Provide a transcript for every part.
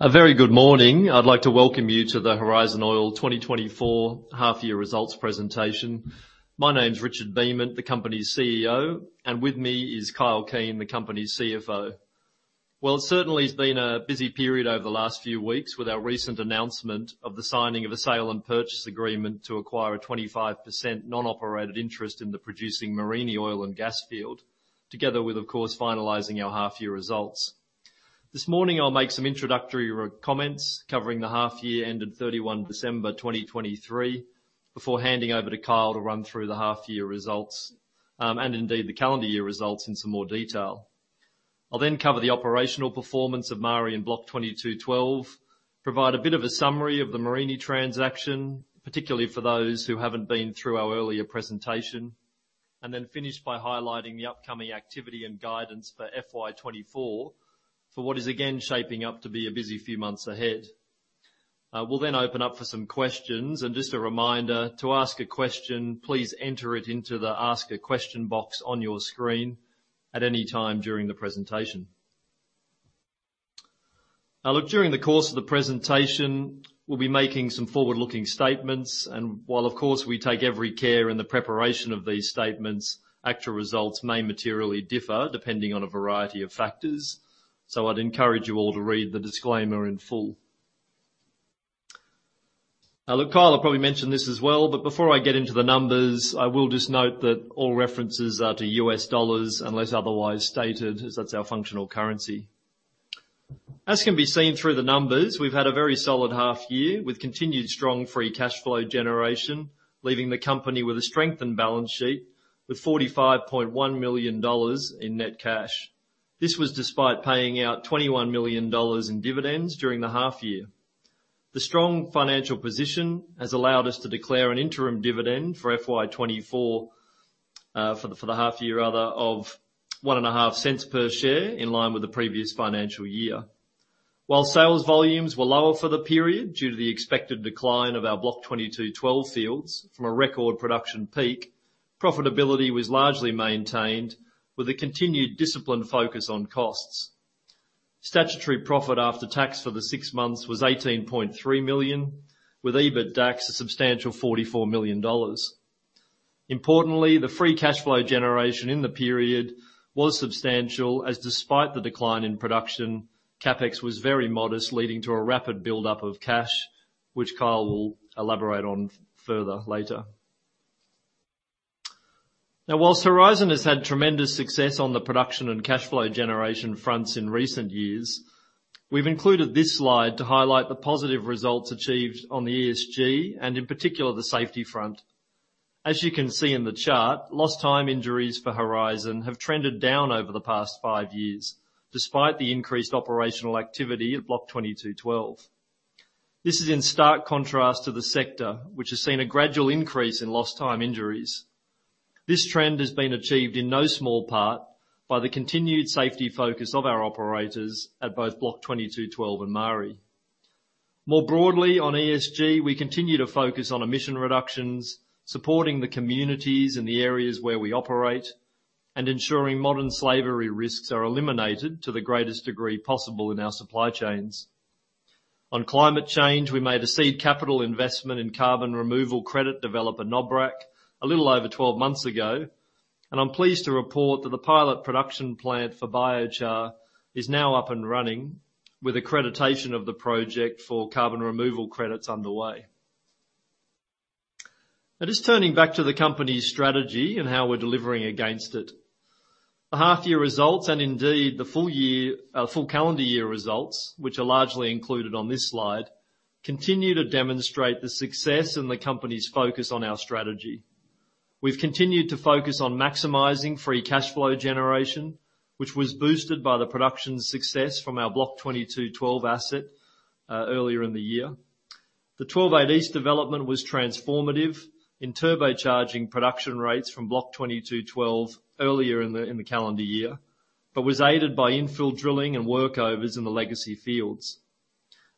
A very good morning. I'd like to welcome you to the Horizon Oil 2024 half-year results presentation. My name's Richard Beament, the company's CEO, and with me is Kyle Keen, the company's CFO. Well, it certainly's been a busy period over the last few weeks with our recent announcement of the signing of a sale-and-purchase agreement to acquire a 25% non-operated interest in the producing Mereenie oil and gas field, together with, of course, finalizing our half-year results. This morning I'll make some introductory comments covering the half-year ended 31 December 2023 before handing over to Kyle to run through the half-year results, and indeed the calendar year results in some more detail. I'll then cover the operational performance of Maari and Block 22/12, provide a bit of a summary of the Mereenie transaction, particularly for those who haven't been through our earlier presentation, and then finish by highlighting the upcoming activity and guidance for FY24 for what is, again, shaping up to be a busy few months ahead. We'll then open up for some questions. Just a reminder, to ask a question, please enter it into the ask-a-question box on your screen at any time during the presentation. Now, look, during the course of the presentation we'll be making some forward-looking statements. While, of course, we take every care in the preparation of these statements, actual results may materially differ depending on a variety of factors. I'd encourage you all to read the disclaimer in full. Now, look, Kyle, I probably mentioned this as well, but before I get into the numbers, I will just note that all references are to U.S. dollars unless otherwise stated, as that's our functional currency. As can be seen through the numbers, we've had a very solid half-year with continued strong free cash flow generation, leaving the company with a strengthened balance sheet with $45.1 million in net cash. This was despite paying out $21 million in dividends during the half-year. The strong financial position has allowed us to declare an interim dividend for FY24 for the half-year, rather, of $0.015 per share in line with the previous financial year. While sales volumes were lower for the period due to the expected decline of our Block 22/12 fields from a record production peak, profitability was largely maintained with a continued disciplined focus on costs. Statutory profit after tax for the six months was $18.3 million, with EBITDAX a substantial $44 million. Importantly, the free cash flow generation in the period was substantial as despite the decline in production, CapEx was very modest leading to a rapid buildup of cash, which Kyle will elaborate on further later. Now, while Horizon has had tremendous success on the production and cash flow generation fronts in recent years, we've included this slide to highlight the positive results achieved on the ESG and, in particular, the safety front. As you can see in the chart, lost time injuries for Horizon have trended down over the past five years despite the increased operational activity at Block 22/12. This is in stark contrast to the sector, which has seen a gradual increase in lost time injuries. This trend has been achieved in no small part by the continued safety focus of our operators at both Block 22/12 and Maari. More broadly, on ESG, we continue to focus on emission reductions, supporting the communities in the areas where we operate, and ensuring modern slavery risks are eliminated to the greatest degree possible in our supply chains. On climate change, we made a seed capital investment in carbon removal credit developer Novocarbo a little over 12 months ago. And I'm pleased to report that the pilot production plant for biochar is now up and running with accreditation of the project for carbon removal credits underway. Now, just turning back to the company's strategy and how we're delivering against it. The half-year results and, indeed, the full year full calendar year results, which are largely included on this slide, continue to demonstrate the success and the company's focus on our strategy. We've continued to focus on maximizing free cash flow generation, which was boosted by the production success from our Block 22/12 asset, earlier in the year. The 12-8 East development was transformative in turbocharging production rates from Block 22/12 earlier in the calendar year but was aided by infill drilling and workovers in the legacy fields.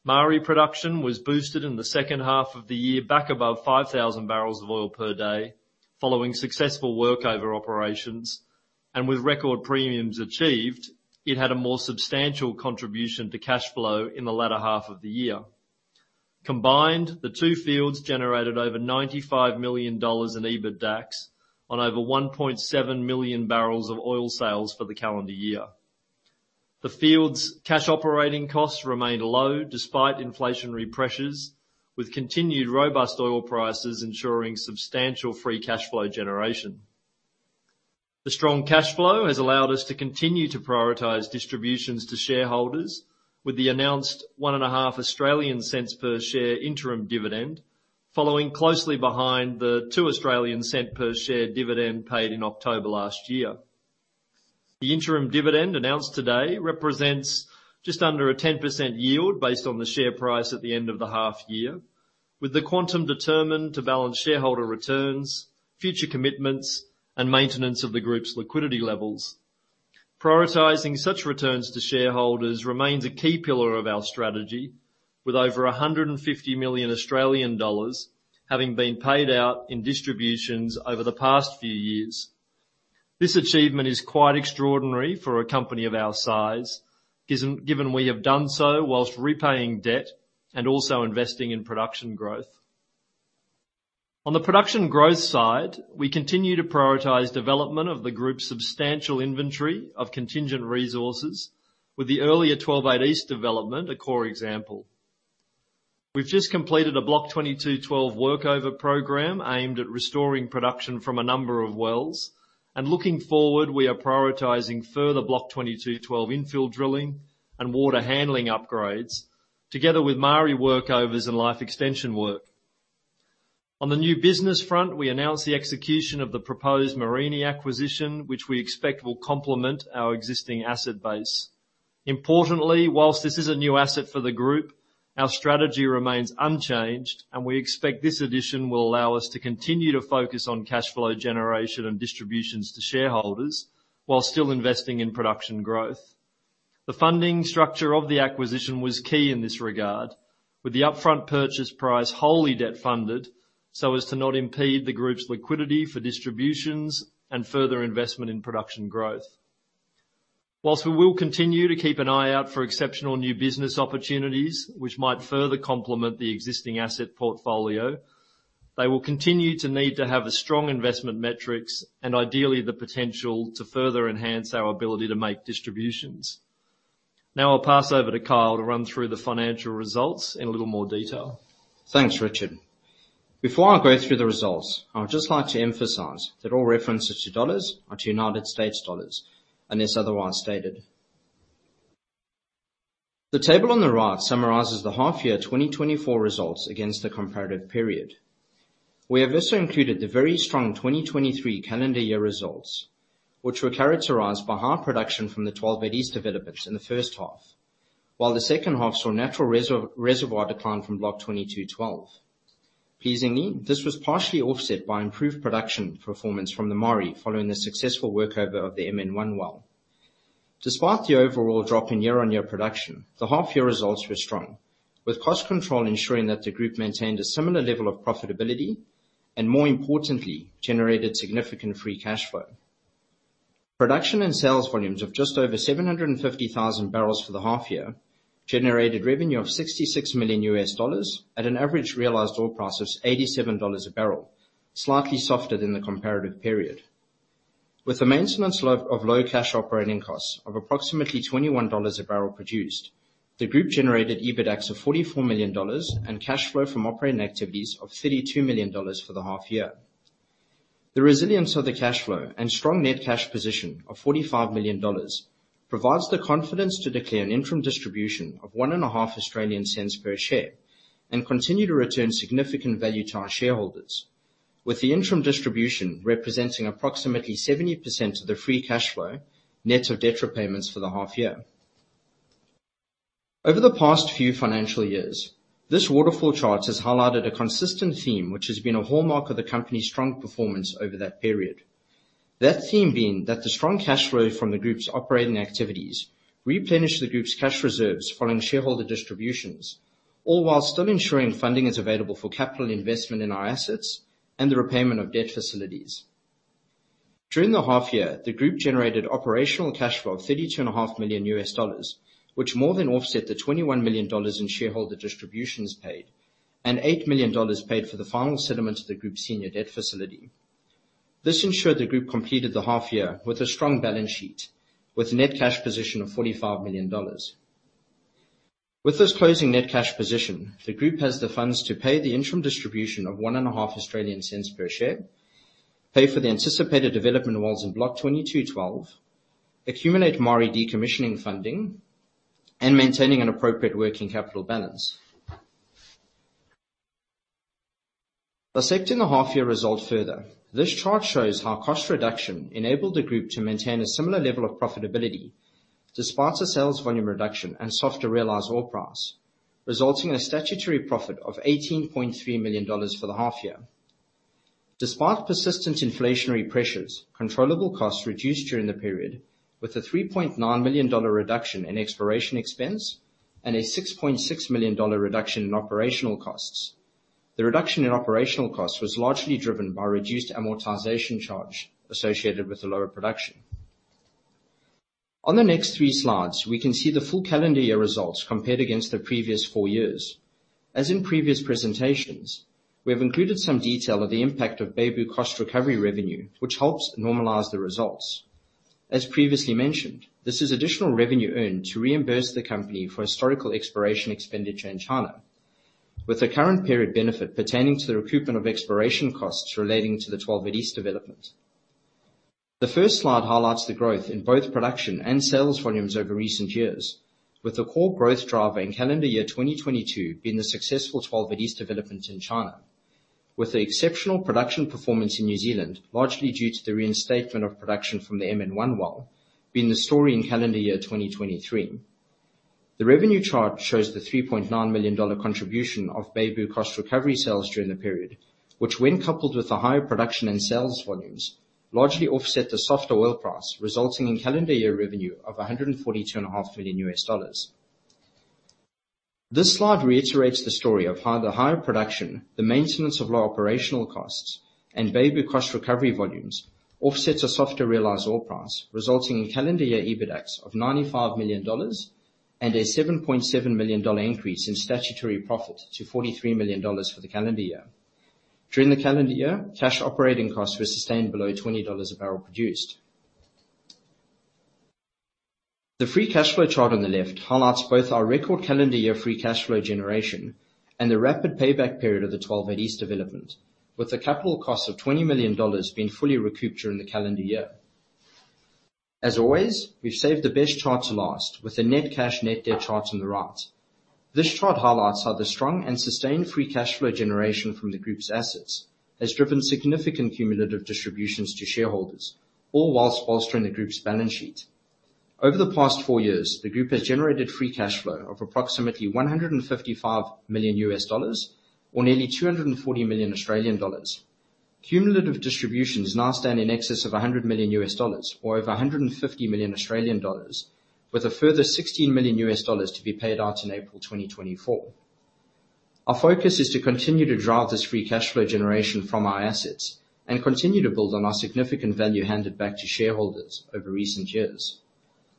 Maari production was boosted in the second half of the year back above 5,000 barrels of oil per day following successful workover operations. With record premiums achieved, it had a more substantial contribution to cash flow in the latter half of the year. Combined, the two fields generated over $95 million in EBITDAX on over 1.7 million barrels of oil sales for the calendar year. The fields' cash operating costs remained low despite inflationary pressures, with continued robust oil prices ensuring substantial free cash flow generation. The strong cash flow has allowed us to continue to prioritize distributions to shareholders with the announced 0.015 per share interim dividend following closely behind the 0.02 per share dividend paid in October last year. The interim dividend announced today represents just under a 10% yield based on the share price at the end of the half-year, with the quantum determined to balance shareholder returns, future commitments, and maintenance of the group's liquidity levels. Prioritizing such returns to shareholders remains a key pillar of our strategy, with over $150 million having been paid out in distributions over the past few years. This achievement is quite extraordinary for a company of our size, given we have done so while repaying debt and also investing in production growth. On the production growth side, we continue to prioritize development of the group's substantial inventory of contingent resources, with the earlier 12-8 East development a core example. We've just completed a Block 22/12 workover program aimed at restoring production from a number of wells. And looking forward, we are prioritizing further Block 22/12 infill drilling and water handling upgrades together with Maari workovers and life extension work. On the new business front, we announce the execution of the proposed Mereenie acquisition, which we expect will complement our existing asset base. Importantly, while this is a new asset for the group, our strategy remains unchanged, and we expect this addition will allow us to continue to focus on cash flow generation and distributions to shareholders while still investing in production growth. The funding structure of the acquisition was key in this regard, with the upfront purchase price wholly debt-funded so as to not impede the group's liquidity for distributions and further investment in production growth. While we will continue to keep an eye out for exceptional new business opportunities, which might further complement the existing asset portfolio, they will continue to need to have a strong investment metrics and, ideally, the potential to further enhance our ability to make distributions. Now I'll pass over to Kyle to run through the financial results in a little more detail. Thanks, Richard. Before I go through the results, I would just like to emphasize that all references to dollars are to United States dollars unless otherwise stated. The table on the right summarizes the half-year 2024 results against the comparative period. We have also included the very strong 2023 calendar year results, which were characterized by high production from the 12-8 East developments in the first half, while the second half saw natural reservoir decline from Block 22/12. Pleasingly, this was partially offset by improved production performance from the Maari following the successful workover of the MN1 well. Despite the overall drop in year-on-year production, the half-year results were strong, with cost control ensuring that the group maintained a similar level of profitability and, more importantly, generated significant free cash flow. Production and sales volumes of just over 750,000 barrels for the half-year generated revenue of $66 million at an average realized oil price of $87 a barrel, slightly softer than the comparative period. With maintenance-low cash operating costs of approximately $21 a barrel produced, the group generated EBITDAX of $44 million and cash flow from operating activities of $32 million for the half-year. The resilience of the cash flow and strong net cash position of $45 million provides the confidence to declare an interim distribution of 0.015 per share and continue to return significant value to our shareholders, with the interim distribution representing approximately 70% of the free cash flow net of debt repayments for the half-year. Over the past few financial years, this waterfall chart has highlighted a consistent theme which has been a hallmark of the company's strong performance over that period. That theme being that the strong cash flow from the group's operating activities replenish the group's cash reserves following shareholder distributions, all while still ensuring funding is available for capital investment in our assets and the repayment of debt facilities. During the half-year, the group generated operational cash flow of $32.5 million, which more than offset the $21 million in shareholder distributions paid and $8 million paid for the final settlement of the group's senior debt facility. This ensured the group completed the half-year with a strong balance sheet with a net cash position of $45 million. With this closing net cash position, the group has the funds to pay the interim distribution of 0.015 per share, pay for the anticipated development wells in Block 22/12, accumulate Maari decommissioning funding, and maintain an appropriate working capital balance. Accepting the half-year result further, this chart shows how cost reduction enabled the group to maintain a similar level of profitability despite a sales volume reduction and softer realized oil price, resulting in a statutory profit of $18.3 million for the half-year. Despite persistent inflationary pressures, controllable costs reduced during the period, with a $3.9 million reduction in exploration expense and a $6.6 million reduction in operational costs. The reduction in operational costs was largely driven by reduced amortization charge associated with the lower production. On the next three slides, we can see the full calendar year results compared against the previous four years. As in previous presentations, we have included some detail of the impact of Beibu cost recovery revenue, which helps normalize the results. As previously mentioned, this is additional revenue earned to reimburse the company for historical exploration expenditure in China, with the current period benefit pertaining to the recoupment of exploration costs relating to the 12-8 East development. The first slide highlights the growth in both production and sales volumes over recent years, with the core growth driver in calendar year 2022 being the successful 12-8 East development in China, with the exceptional production performance in New Zealand, largely due to the reinstatement of production from the MN1 well, being the story in calendar year 2023. The revenue chart shows the $3.9 million contribution of Beibu cost recovery sales during the period, which, when coupled with the higher production and sales volumes, largely offset the softer oil price, resulting in calendar year revenue of $142.5 million. This slide reiterates the story of how the higher production, the maintenance of low operational costs, and Beibu cost recovery volumes offset a softer realized oil price, resulting in calendar year EBITDAX of $95 million and a $7.7 million increase in statutory profit to $43 million for the calendar year. During the calendar year, cash operating costs were sustained below $20 a barrel produced. The free cash flow chart on the left highlights both our record calendar year free cash flow generation and the rapid payback period of the 12-8 East development, with the capital cost of $20 million being fully recouped during the calendar year. As always, we've saved the best chart to last with the net cash net debt chart on the right. This chart highlights how the strong and sustained free cash flow generation from the group's assets has driven significant cumulative distributions to shareholders, all while bolstering the group's balance sheet. Over the past four years, the group has generated free cash flow of approximately $155 million or nearly $240 million. Cumulative distributions now stand in excess of $100 million or over $150 million, with a further $16 million to be paid out in April 2024. Our focus is to continue to drive this free cash flow generation from our assets and continue to build on our significant value handed back to shareholders over recent years.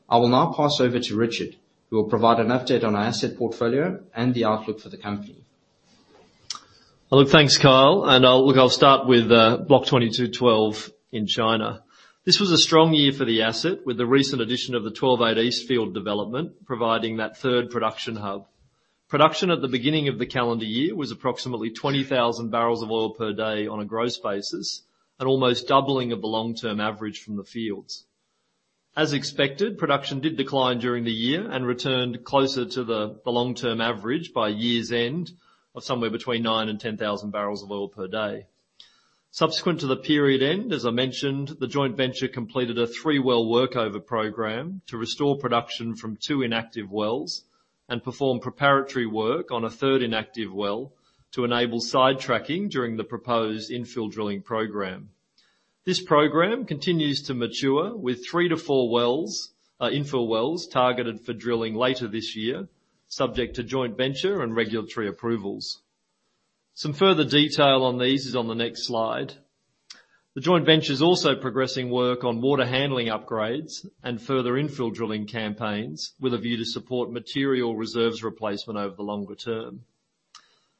I will now pass over to Richard, who will provide an update on our asset portfolio and the outlook for the company. Look, thanks, Kyle. I'll look, I'll start with Block 22/12 in China. This was a strong year for the asset, with the recent addition of the 12-8 East field development providing that third production hub. Production at the beginning of the calendar year was approximately 20,000 barrels of oil per day on a gross basis, an almost doubling of the long-term average from the fields. As expected, production did decline during the year and returned closer to the long-term average by year's end of somewhere between 9,000-10,000 barrels of oil per day. Subsequent to the period end, as I mentioned, the joint venture completed a three-well workover program to restore production from two inactive wells and perform preparatory work on a third inactive well to enable side-tracking during the proposed infill drilling program. This program continues to mature with three to four wells, infill wells targeted for drilling later this year, subject to joint venture and regulatory approvals. Some further detail on these is on the next slide. The joint venture's also progressing work on water handling upgrades and further infill drilling campaigns with a view to support material reserves replacement over the longer term.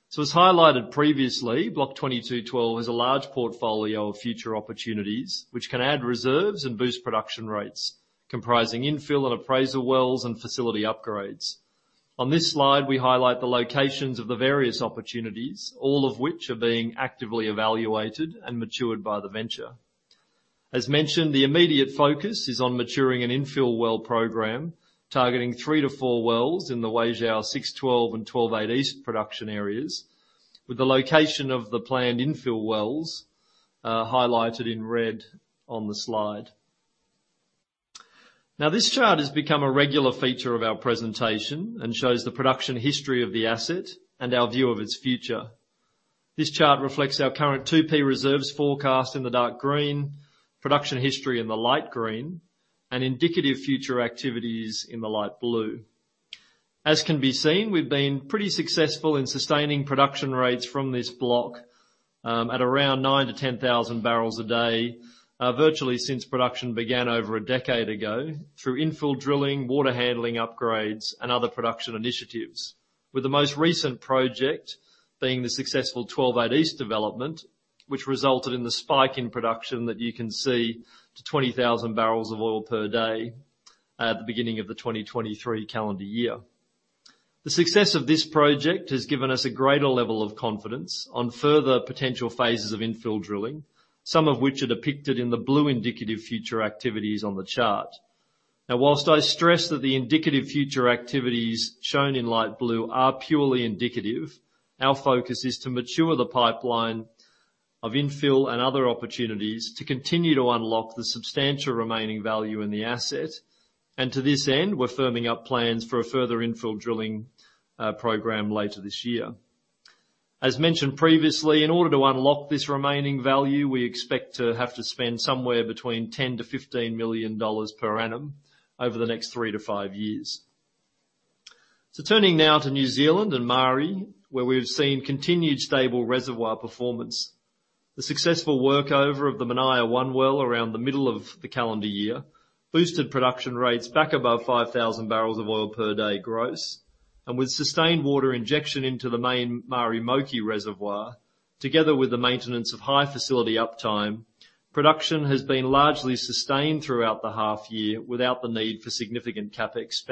So, as highlighted previously, Block 22/12 has a large portfolio of future opportunities which can add reserves and boost production rates, comprising infill and appraisal wells and facility upgrades. On this slide, we highlight the locations of the various opportunities, all of which are being actively evaluated and matured by the venture. As mentioned, the immediate focus is on maturing an infill well program targeting three to four wells in the Weizhou 6-12 and 12-8 East production areas, with the location of the planned infill wells, highlighted in red on the slide. Now, this chart has become a regular feature of our presentation and shows the production history of the asset and our view of its future. This chart reflects our current 2P reserves forecast in the dark green, production history in the light green, and indicative future activities in the light blue. As can be seen, we've been pretty successful in sustaining production rates from this block, at around 9,000-10,000 barrels a day, virtually since production began over a decade ago through infill drilling, water handling upgrades, and other production initiatives, with the most recent project being the successful 12-8 East development, which resulted in the spike in production that you can see to 20,000 barrels of oil per day at the beginning of the 2023 calendar year. The success of this project has given us a greater level of confidence on further potential phases of infill drilling, some of which are depicted in the blue indicative future activities on the chart. Now, while I stress that the indicative future activities shown in light blue are purely indicative, our focus is to mature the pipeline of infill and other opportunities to continue to unlock the substantial remaining value in the asset. To this end, we're firming up plans for a further infill drilling program later this year. As mentioned previously, in order to unlock this remaining value, we expect to have to spend somewhere between $10 million-$15 million per annum over the next three to five years. Turning now to New Zealand and Maari, where we've seen continued stable reservoir performance, the successful workover of the Manaia 1 well around the middle of the calendar year boosted production rates back above 5,000 barrels of oil per day gross. With sustained water injection into the main Maari-Moki reservoir, together with the maintenance of high facility uptime, production has been largely sustained throughout the half-year without the need for significant CapEx.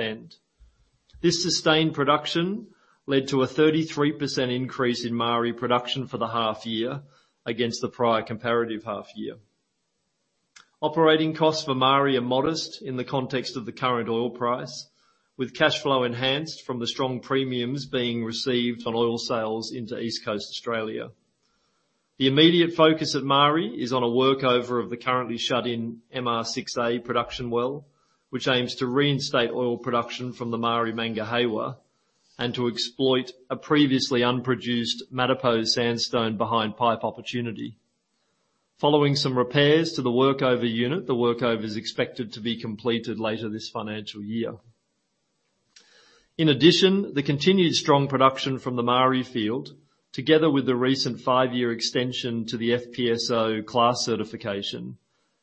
This sustained production led to a 33% increase in Maari production for the half-year against the prior comparative half-year. Operating costs for Maari are modest in the context of the current oil price, with cash flow enhanced from the strong premiums being received on oil sales into East Coast Australia. The immediate focus at Maari is on a workover of the currently shut-in MR6A production well, which aims to reinstate oil production from the Maari Mangahewa and to exploit a previously unproduced Matapo sandstone behind pipe opportunity. Following some repairs to the workover unit, the workover is expected to be completed later this financial year. In addition, the continued strong production from the Maari field, together with the recent five-year extension to the FPSO class certification,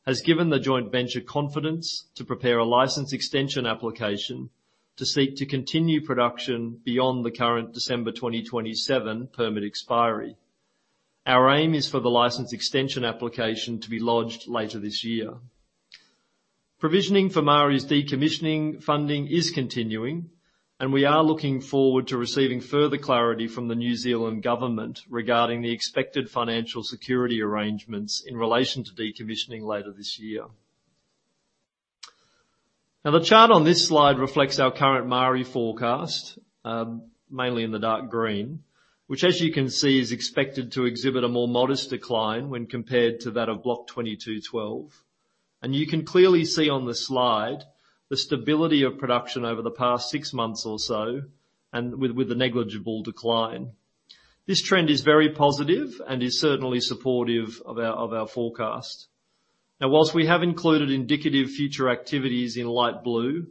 has given the joint venture confidence to prepare a license extension application to seek to continue production beyond the current December 2027 permit expiry. Our aim is for the license extension application to be lodged later this year. Provisioning for Maari's decommissioning funding is continuing, and we are looking forward to receiving further clarity from the New Zealand government regarding the expected financial security arrangements in relation to decommissioning later this year. Now, the chart on this slide reflects our current Maari forecast, mainly in the dark green, which, as you can see, is expected to exhibit a more modest decline when compared to that of Block 22/12. You can clearly see on the slide the stability of production over the past six months or so and with, with a negligible decline. This trend is very positive and is certainly supportive of our, of our forecast. Now, while we have included indicative future activities in light blue,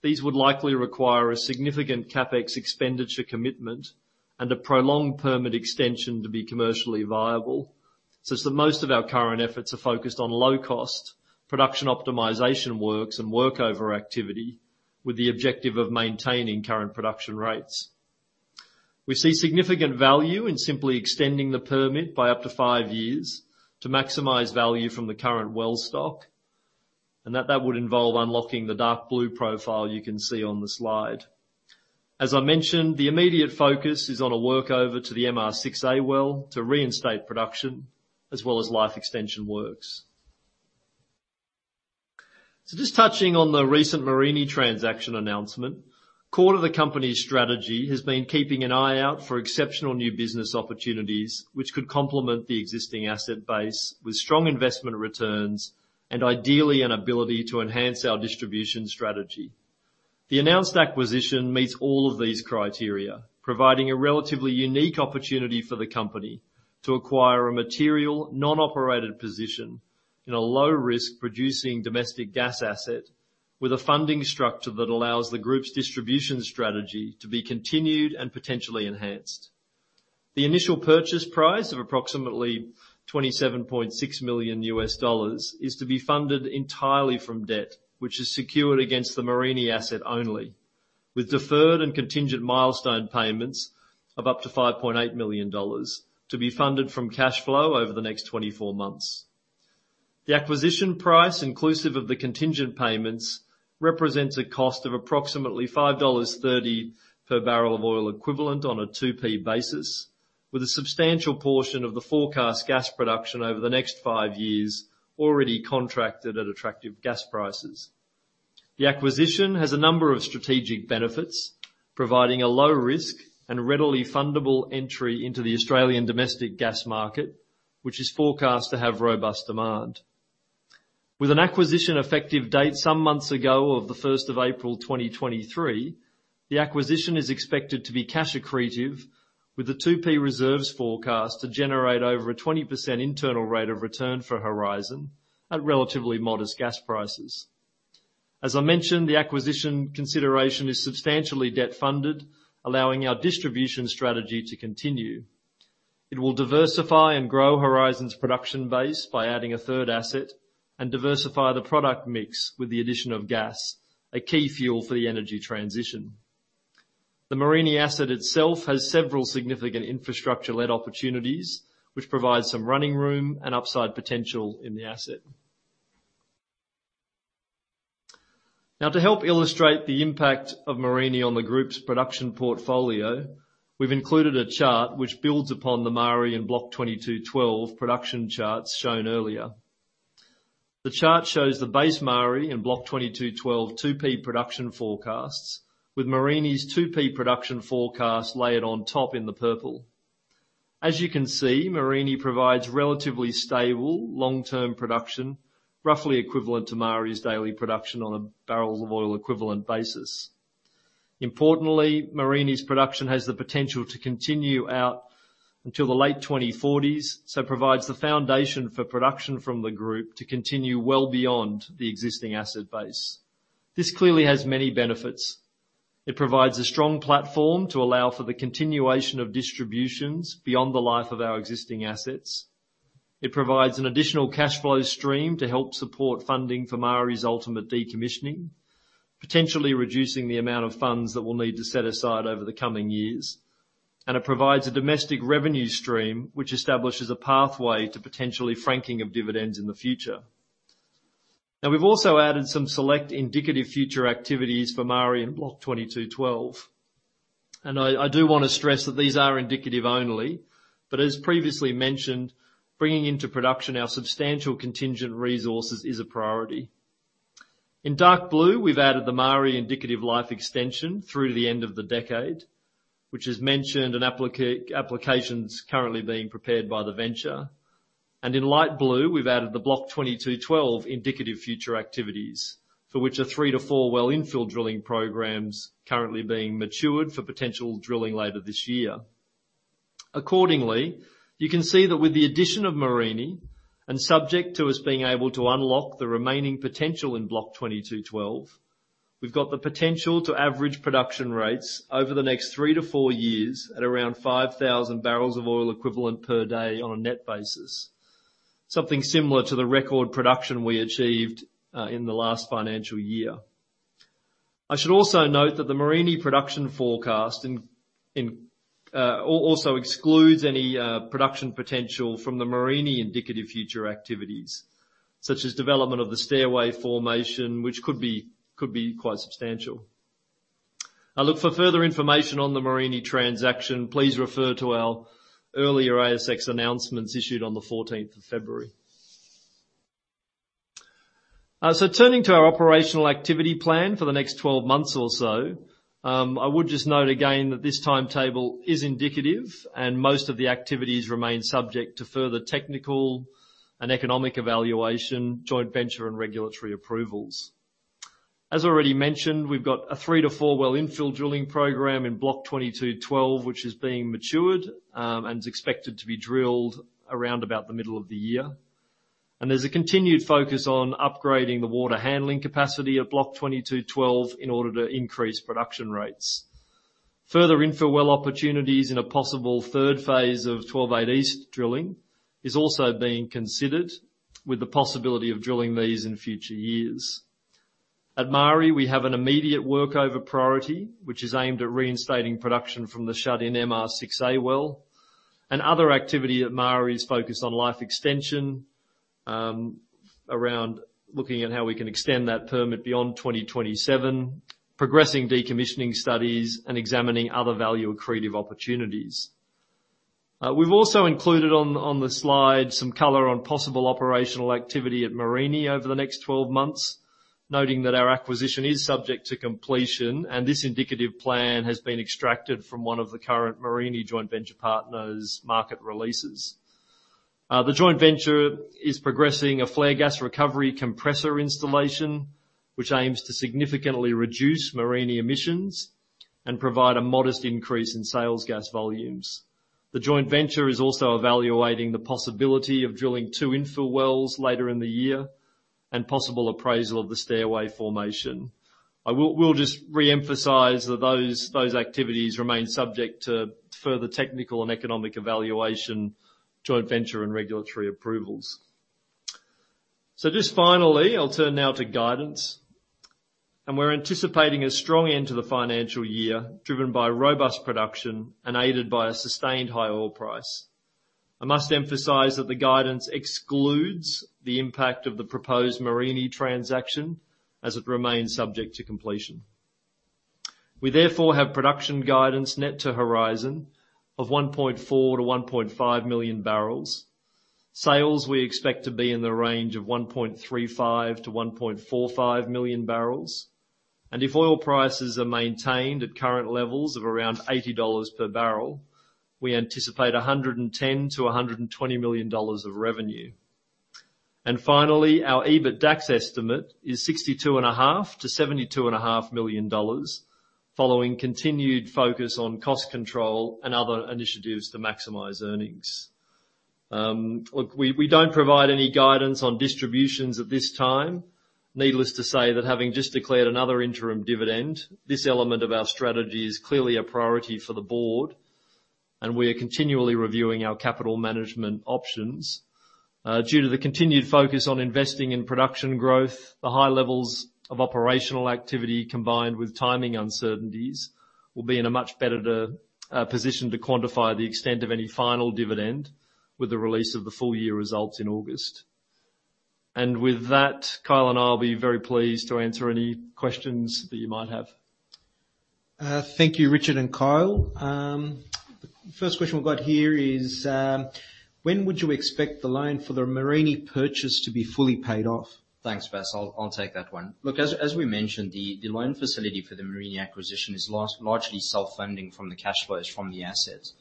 these would likely require a significant CapEx expenditure commitment and a prolonged permit extension to be commercially viable, such that most of our current efforts are focused on low-cost production optimization works and workover activity with the objective of maintaining current production rates. We see significant value in simply extending the permit by up to five years to maximize value from the current well stock, and that that would involve unlocking the dark blue profile you can see on the slide. As I mentioned, the immediate focus is on a workover to the MR6A well to reinstate production as well as life extension works. So, just touching on the recent Mereenie transaction announcement, core of the company's strategy has been keeping an eye out for exceptional new business opportunities which could complement the existing asset base with strong investment returns and ideally an ability to enhance our distribution strategy. The announced acquisition meets all of these criteria, providing a relatively unique opportunity for the company to acquire a material non-operated position in a low-risk producing domestic gas asset with a funding structure that allows the group's distribution strategy to be continued and potentially enhanced. The initial purchase price of approximately $27.6 million is to be funded entirely from debt, which is secured against the Mereenie asset only, with deferred and contingent milestone payments of up to $5.8 million to be funded from cash flow over the next 24 months. The acquisition price, inclusive of the contingent payments, represents a cost of approximately $5.30 per barrel of oil equivalent on a 2P basis, with a substantial portion of the forecast gas production over the next five years already contracted at attractive gas prices. The acquisition has a number of strategic benefits, providing a low-risk and readily fundable entry into the Australian domestic gas market, which is forecast to have robust demand. With an acquisition effective date some months ago of the 1st of April 2023, the acquisition is expected to be cash accretive, with the 2P reserves forecast to generate over a 20% internal rate of return for Horizon at relatively modest gas prices. As I mentioned, the acquisition consideration is substantially debt funded, allowing our distribution strategy to continue. It will diversify and grow Horizon's production base by adding a third asset and diversify the product mix with the addition of gas, a key fuel for the energy transition. The Mereenie asset itself has several significant infrastructure-led opportunities, which provide some running room and upside potential in the asset. Now, to help illustrate the impact of Mereenie on the group's production portfolio, we've included a chart which builds upon the Maari and Block 22/12 production charts shown earlier. The chart shows the base Maari and Block 22/12 2P production forecasts, with Mereenie's 2P production forecast layered on top in the purple. As you can see, Mereenie provides relatively stable long-term production, roughly equivalent to Maari's daily production on a barrels of oil equivalent basis. Importantly, Mereenie's production has the potential to continue out until the late 2040s, so provides the foundation for production from the group to continue well beyond the existing asset base. This clearly has many benefits. It provides a strong platform to allow for the continuation of distributions beyond the life of our existing assets. It provides an additional cash flow stream to help support funding for Maari's ultimate decommissioning, potentially reducing the amount of funds that we'll need to set aside over the coming years. And it provides a domestic revenue stream, which establishes a pathway to potentially franking of dividends in the future. Now, we've also added some select indicative future activities for Maari and Block 22/12. And I, I do want to stress that these are indicative only, but as previously mentioned, bringing into production our substantial contingent resources is a priority. In dark blue, we've added the Maari indicative life extension through to the end of the decade, which is mentioned and applications currently being prepared by the venture. And in light blue, we've added the Block 22/12 indicative future activities, for which a three to four well infill drilling program's currently being matured for potential drilling later this year. Accordingly, you can see that with the addition of Mereenie and subject to us being able to unlock the remaining potential in Block 22/12, we've got the potential to average production rates over the next three to four years at around 5,000 barrels of oil equivalent per day on a net basis, something similar to the record production we achieved in the last financial year. I should also note that the Mereenie production forecast also excludes any production potential from the Mereenie indicative future activities, such as development of the Stairway Formation, which could be quite substantial. Look, for further information on the Mereenie transaction, please refer to our earlier ASX announcements issued on the 14th of February. Turning to our operational activity plan for the next 12 months or so, I would just note again that this timetable is indicative, and most of the activities remain subject to further technical and economic evaluation, joint venture, and regulatory approvals. As already mentioned, we've got a three to four well infill drilling program in Block 22/12, which is being matured, and is expected to be drilled around about the middle of the year. There's a continued focus on upgrading the water handling capacity at Block 22/12 in order to increase production rates. Further infill well opportunities in a possible third phase of 12-8 East drilling is also being considered, with the possibility of drilling these in future years. At Maari, we have an immediate workover priority, which is aimed at reinstating production from the shut-in MR6A well, and other activity at Maari's focus on life extension, around looking at how we can extend that permit beyond 2027, progressing decommissioning studies, and examining other value accretive opportunities. We've also included on the slide some color on possible operational activity at Mereenie over the next 12 months, noting that our acquisition is subject to completion, and this indicative plan has been extracted from one of the current Mereenie joint venture partner's market releases. The joint venture is progressing a flare gas recovery compressor installation, which aims to significantly reduce Mereenie emissions and provide a modest increase in sales gas volumes. The joint venture is also evaluating the possibility of drilling two infill wells later in the year and possible appraisal of the Stairway Formation. I will just reemphasize that those activities remain subject to further technical and economic evaluation, joint venture, and regulatory approvals. Just finally, I'll turn now to guidance. We're anticipating a strong end to the financial year driven by robust production and aided by a sustained high oil price. I must emphasize that the guidance excludes the impact of the proposed Mereenie transaction as it remains subject to completion. We therefore have production guidance net to Horizon of 1.4 million-1.5 million barrels. Sales we expect to be in the range of 1.35 million-1.45 million barrels. If oil prices are maintained at current levels of around $80 per barrel, we anticipate $110 million-$120 million of revenue. Finally, our EBITDA estimate is $62.5 million-$72.5 million, following continued focus on cost control and other initiatives to maximize earnings. Look, we, we don't provide any guidance on distributions at this time. Needless to say that having just declared another interim dividend, this element of our strategy is clearly a priority for the board, and we are continually reviewing our capital management options. Due to the continued focus on investing in production growth, the high levels of operational activity combined with timing uncertainties will be in a much better position to quantify the extent of any final dividend with the release of the full year results in August. And with that, Kyle and I'll be very pleased to answer any questions that you might have. Thank you, Richard and Kyle. The first question we've got here is, when would you expect the loan for the Mereenie purchase to be fully paid off? Thanks, Vas. I'll take that one. Look, as we mentioned, the loan facility for the Mereenie acquisition is largely self-funding from the cash flows from the assets,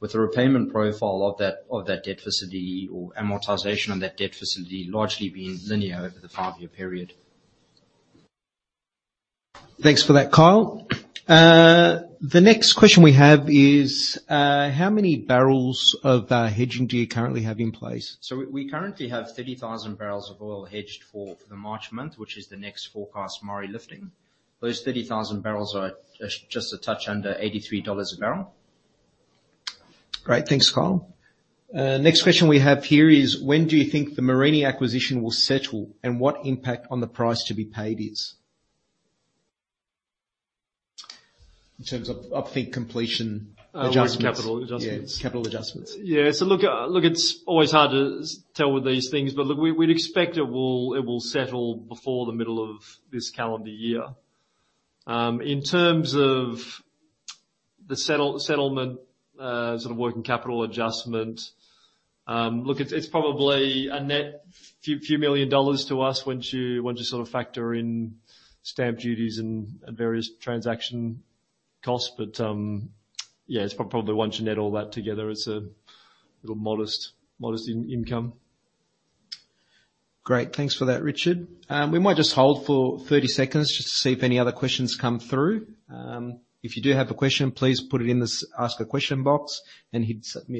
with a repayment profile of that debt facility or amortization on that debt facility largely being linear over the five-year period. Thanks for that, Kyle. The next question we have is, how many barrels of hedging do you currently have in place? So we currently have 30,000 barrels of oil hedged for the March month, which is the next forecast Maari lifting. Those 30,000 barrels are just a touch under $83 a barrel. Great. Thanks, Kyle. Next question we have here is, when do you think the Mereenie acquisition will settle and what impact on the price to be paid is? In terms of upfront completion adjustments. Mereenie capital adjustments. Yeah. Capital adjustments. Yeah. So look, it's always hard to tell with these things, but look, we'd expect it will settle before the middle of this calendar year. In terms of the settlement, sort of working capital adjustment, look, it's probably a net few million dollars to us once you sort of factor in stamp duties and various transaction costs. But, yeah, it's probably once you net all that together, it's a little modest income. Great. Thanks for that, Richard. We might just hold for 30 seconds just to see if any other questions come through. If you do have a question, please put it in this ask-a-question box and hit submit.